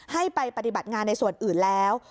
ให้ไปปฏิบัติงานในส่วนอื่นแล้ว